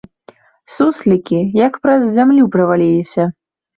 Суслікі, як праз зямлю праваліліся.